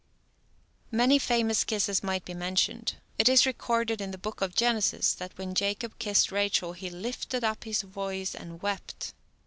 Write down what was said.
Many famous kisses might be mentioned. It is recorded in the book of Genesis that when Jacob kissed Rachel he "lifted up his voice and wept."